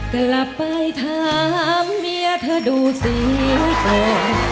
กลับไปถามเมียเธอดูสีตรง